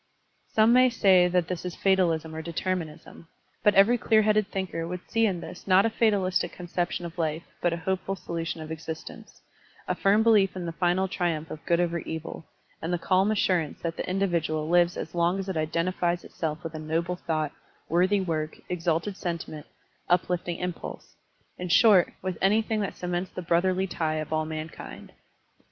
Some may say that this is fatalism or deter minism, but every clear headed thinker would see in this not a fatalistic conception of life but a hopeful solution of existence, a firm belief in the final triumph of good over evil, and the calm assurance that the individual lives as long as it identifies itself with a noble thought, worthy work, exalted sentiment, uplifting impulse, in short, with anything that cements the brotherly tie of all mankind.